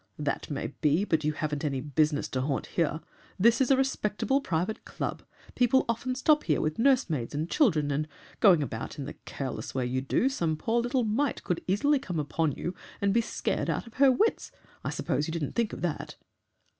"'That may be, but you haven't any business to haunt here. This is a respectable private club; people often stop here with nursemaids and children, and, going about in the careless way you do, some poor little mite could easily come upon you and be scared out of her wits. I suppose you didn't think of that?'